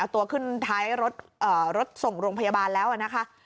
ตัวขึ้นท้ายรถส่งโรงพยาบาลแล้วนะคะ